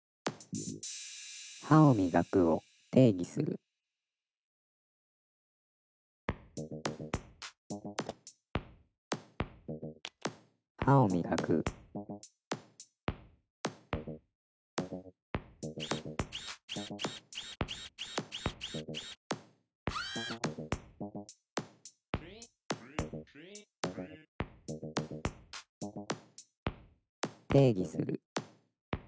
「歯をみがく」を定義する「歯をみがく」定義する。